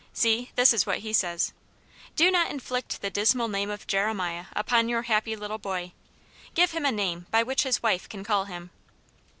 See, this is what he says :"* Do not inflict the dismal name of Jeremiah upon your happy little boy. Give him a name by which his wife can call him.'"